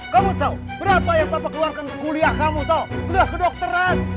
kamu tau berapa yang papa keluarkan ke kuliah kamu tau keluar ke dokteran